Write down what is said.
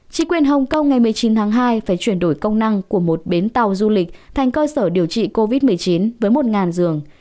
chỉ quyền hồng kông ngày một mươi chín tháng hai phải chuyển đổi công năng của một bến tàu du lịch thành cơ sở điều trị covid một mươi chín với một giường